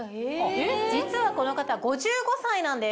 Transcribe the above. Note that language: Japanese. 実はこの方５５歳なんです。